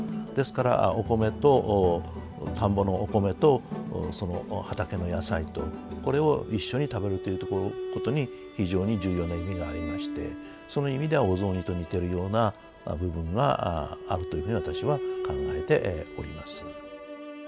ですから田んぼのお米と畑の野菜とこれを一緒に食べるということに非常に重要な意味がありましてその意味ではお雑煮と似てるような部分があるというふうに私は考えております。